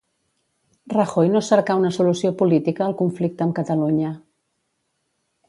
Rajoy no cercà una solució política al conflicte amb Catalunya.